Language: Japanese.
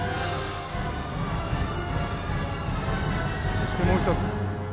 そしてもう一つ。